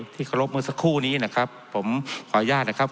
ที่เคารพเมื่อสักครู่นี้นะครับผมขออนุญาตนะครับ